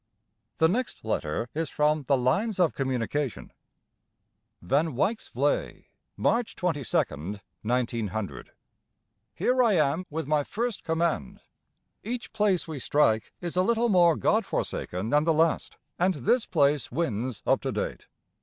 The next letter is from the Lines of Communication: Van Wyks Vlei, March 22nd, 1900. Here I am with my first command. Each place we strike is a little more God forsaken than the last, and this place wins up to date.